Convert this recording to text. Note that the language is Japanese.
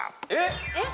えっ！